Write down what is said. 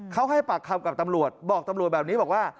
เขาให้ปากคำกับตำรวจบอกตำรวจแบบนี้บอกว่า